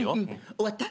終わった？